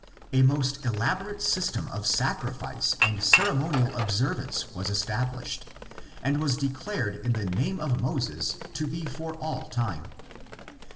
A most elaborate system of sacrifice and ceremonial observance was established, and was declared in the name of Moses to be for all time.